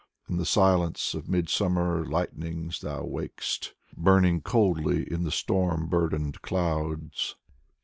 In the silence of midsummer lightnings thou wak'st. Burning coldly in storm burdened clouds.